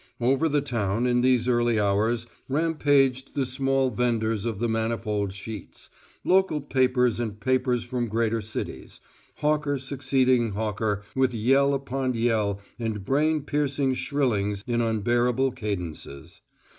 Over the town, in these early hours, rampaged the small vendors of the manifold sheets: local papers and papers from greater cities, hawker succeeding hawker with yell upon yell and brain piercing shrillings in unbearable cadences.